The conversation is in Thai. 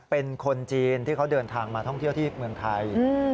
เป็นคนจีนที่เขาเดินทางมาท่องเที่ยวที่เมืองไทย